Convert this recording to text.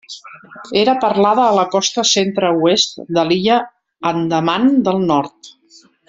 Era parlada a la costa centre-oest de l'illa Andaman del nord.